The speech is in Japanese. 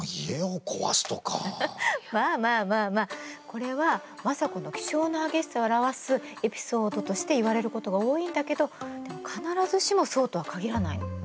これは政子の気性の激しさを表すエピソードとして言われることが多いんだけどでも必ずしもそうとは限らないの。